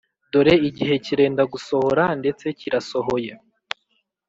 Dore igihe kirenda gusohora ndetse kirasohoye